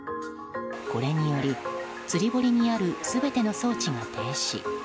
これにより、釣り堀にある全ての装置が停止。